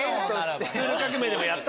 『スクール革命！』でやった。